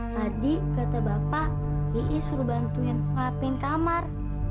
tadi kata bapak iis suruh bantuin ngapain kamar